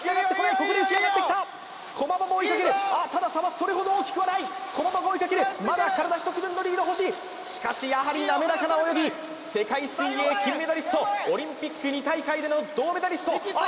ここで浮き上がってきた駒場も追いかけるただ差はそれほど大きくはない駒場が追いかけるまだ体一つ分のリード星しかしやはりなめらかな泳ぎ世界水泳金メダリストオリンピック２大会での銅メダリストあっ